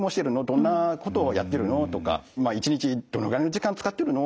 「どんなことをやってるの？」とか「一日どのぐらいの時間使ってるの？」とか